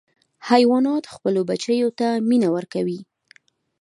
حیوانات خپلو بچیو ته مینه ورکوي.